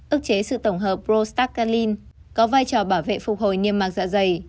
ức chế sự tổng hợp prostagylin có vai trò bảo vệ phục hồi niêm mạc dạ dày